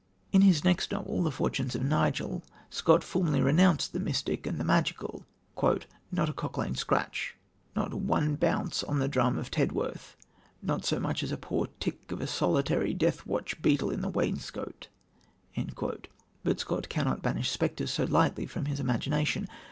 In his next novel, The Fortunes of Nigel, Scott formally renounced the mystic and the magical: "Not a Cock Lane scratch not one bounce on the drum of Tedworth not so much as the poor tick of a solitary death watch in the wainscot." But Scott cannot banish spectres so lightly from his imagination.